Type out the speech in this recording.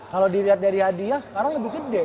kalau dilihat dari hadiah sekarang lebih gede